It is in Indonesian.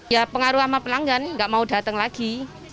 ya pengaruh sama pelanggan nggak mau datang lagi